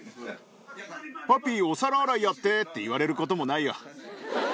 パピー、お皿洗いやってって言われることもないよ。